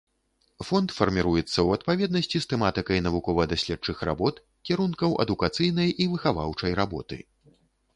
Фонд фарміруецца ў адпаведнасці з тэматыкай навукова-даследчых работ, кірункаў адукацыйнай і выхаваўчай работы.